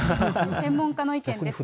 専門家の意見です。